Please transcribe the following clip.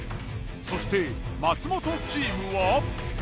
そして松本チームは。